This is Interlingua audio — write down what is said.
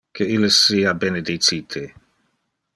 Que illes sia benedicite.